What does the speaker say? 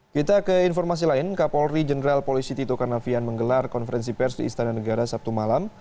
kita ke informasi lain kapolri jenderal polisi tito karnavian menggelar konferensi pers di istana negara sabtu malam